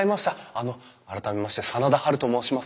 あの改めまして真田ハルと申します。